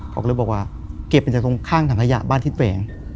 เขาก็เลยบอกว่าเก็บเป็นจากตรงข้างถังทะยะบ้านทิตย์แหวง